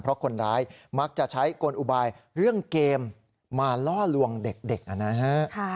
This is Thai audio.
เพราะคนร้ายมักจะใช้กลอุบายเรื่องเกมมาล่อลวงเด็กนะฮะ